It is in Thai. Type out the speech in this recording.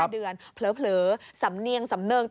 เดือนเผลอสำเนียงสำเนิง